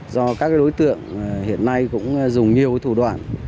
do các đối tượng hiện nay cũng dùng nhiều thủ đoạn